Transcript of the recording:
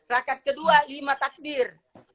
rakat kedua lima takbir